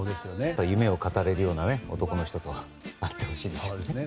夢を語れるような男の人と会ってほしいですね。